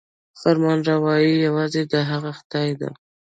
فرمانروايي یوازې د هغه خدای ده.